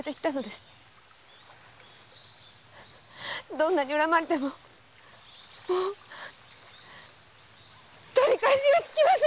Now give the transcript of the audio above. どんなに恨まれてももう取り返しがつきません。